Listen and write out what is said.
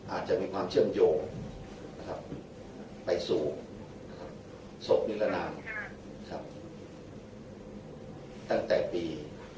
อาจจะมีความเชื่อมโยงไปสู่ศพนิรนามตั้งแต่ปี